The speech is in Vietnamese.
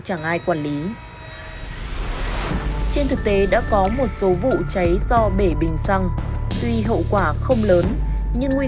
chẳng ai quản lý trên thực tế đã có một số vụ cháy do bể bình xăng tuy hậu quả không lớn nhưng nguy